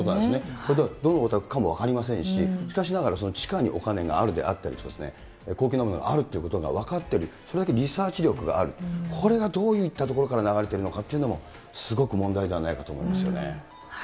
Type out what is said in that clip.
これ、どのお宅かも分かりませんし、しかしながら地下にお金があるであったりとかですね、高級なものがあるって分かってる、それだけリサーチ力がある、これがどういったところから流れているのかっていうのも、すごく問題じゃないかと思いますよね。